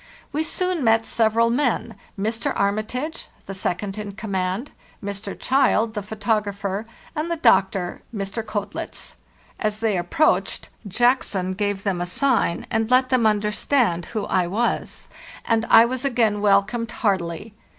We soon met several men—Mr. Armitage, the second in command; Mr. Child, the grapher; and the doctor, Mr. Koetlitz. As they photo approached, Jackson gave them a sign, and let them understand who I was; and I was again welcomed heartily.